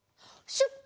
シュッポ！